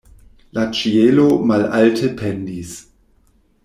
La ĉielo malalte pendis.